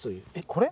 これ？